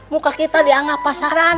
muka kita dianggap pasaran